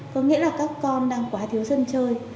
có nghĩa là các con đang quá thiếu sân chơi